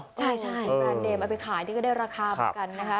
ใช่ร้านเดมเอาไปขายที่ก็ได้ราคาประกันนะคะ